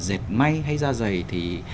dệt may hay da dày thì